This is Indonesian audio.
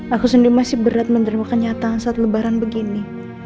aku sendiri masih berat menerima kenyataan saat lebaran begini